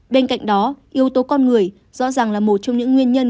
bên cạnh đó yếu tố con người rõ ràng là một trong những nguyên nhân